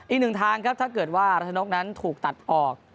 อีกหนึ่งทางครับถ้าเกิดว่ารัชนกนั้นถูกตัดออก